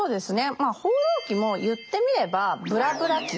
まあ「放浪記」も言ってみれば「ブラブラ記」ですね。